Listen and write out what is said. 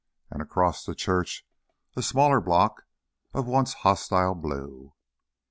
And across the church a smaller block of once hostile blue....